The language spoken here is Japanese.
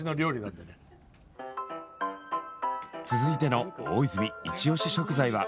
続いての大泉イチオシ食材は。